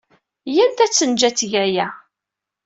Iyyamt ad tt-neǧǧ ad teg aya.